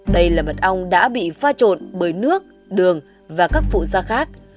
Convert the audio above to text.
đây là mật ong đã bị pha trộn bởi nước đường và các phụ da khác